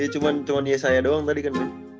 ya cuman cuman yesaya doang tadi kan ya